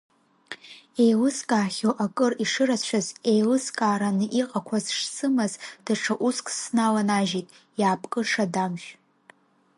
Еилыскаахьоу акыр ишырацәаз, еилыскаараны иҟақәаз шсымаз, даҽа уск сналанажьит, иаапкыша Дамшә.